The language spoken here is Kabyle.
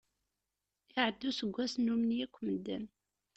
Iɛedda useggas nummen-iyi akk medden.